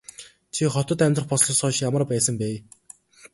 Чи хотод амьдрах болсноосоо хойш ямар байсан бэ?